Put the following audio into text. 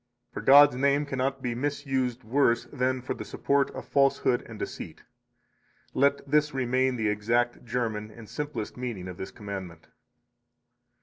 52 For God's name cannot be misused worse than for the support of falsehood and deceit. Let this remain the exact German and simplest meaning of this commandment.